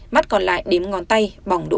mắt còn lại đếm ngón tay bỏng độ hai